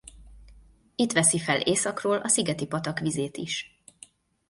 Itt veszi fel északról a Szigeti-patak vizét is.